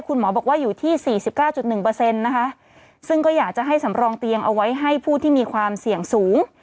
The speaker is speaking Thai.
คุณหมอบอกว่าอยู่ที่สี่สิบเก้าจุดหนึ่งเปอร์เซ็นต์นะคะซึ่งก็อยากจะให้สำรองเตียงเอาไว้ให้ผู้ที่มีความเสี่ยงสูง